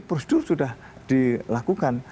prosedur sudah dilakukan